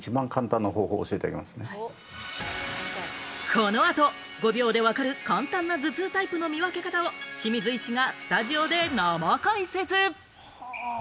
このあと５秒で分かる簡単な頭痛タイプの見分け方を清水医師がスタジオで生解説。